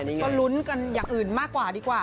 ก็ลุ้นกันอย่างอื่นมากกว่าดีกว่า